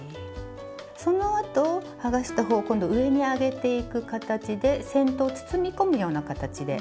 そのあと剥がした方を今度は上に上げていく形で先頭を包み込むような形で。